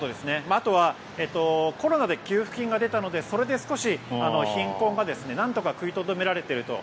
あとはコロナで給付金が出たのでそれで少し貧困がなんとか食い止められていると。